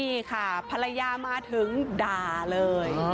นี่ค่ะภรรยามาถึงด่าเลย